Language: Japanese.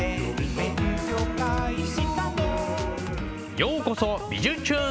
ようこそ「びじゅチューン！